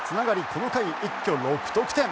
この回一挙６得点。